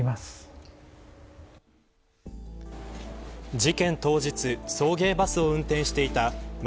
事件当日送迎バスを運転していた増